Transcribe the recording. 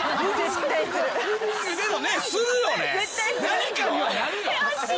何かにはなるよ。